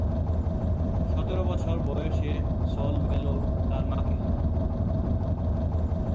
সতেরো বছর বয়সে সল বেলো তার মাকে হারান।